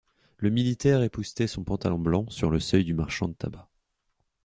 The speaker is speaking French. Le militaire époussetait son pantalon blanc sur le seuil du marchand de tabac.